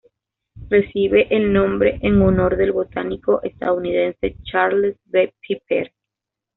Recibe el nombre en honor del botánico estadounidense Charles V. Piper.